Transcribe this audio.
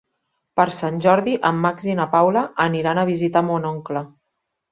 Per Sant Jordi en Max i na Paula aniran a visitar mon oncle.